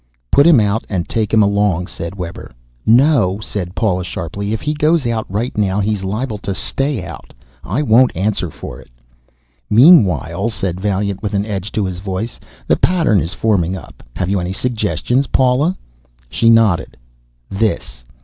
"Put him out, and take him along," said Webber. "No," said Paula sharply. "If he goes out right now he's liable to stay out. I won't answer for it." "Meanwhile," said Vaillant with an edge to his voice, "the pattern is forming up. Have you any suggestions, Paula?" She nodded. "This."